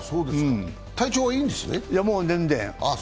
体調はいいんですね？